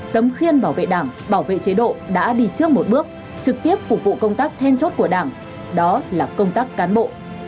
tấm khiên bảo vệ đảng bảo vệ chế độ đã đi trước một bước trực tiếp phục vụ công tác then chốt của đảng đó là công tác cán bộ